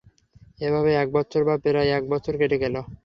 এভাবে এক বৎসর বা প্রায় এক বৎসর কেটে গেল।